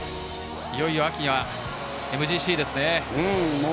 いよいよ秋にはＭＧＣですね。